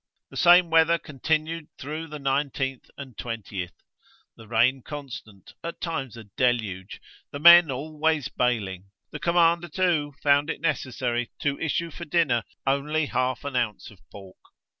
The same weather continued through the 19th and 20th; the rain constant at times a deluge the men always baling; the commander, too, found it necessary to issue for dinner only half an ounce of pork.